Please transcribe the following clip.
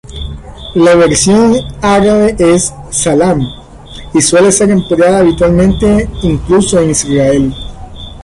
La versión árabe es "salam" y suele ser empleada habitualmente incluso en Israel.